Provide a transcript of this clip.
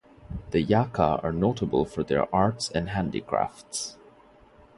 The Yaka are notable for their arts and handicrafts.